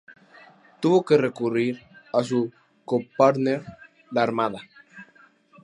Tuvo que recurrir a su co-partner, la Armada.